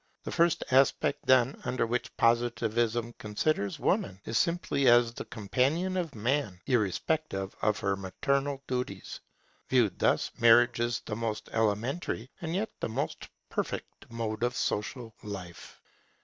The first aspect then, under which Positivism considers Woman, is simply as the companion of Man, irrespective of her maternal duties. Viewed thus, Marriage is the most elementary and yet the most perfect mode of social life.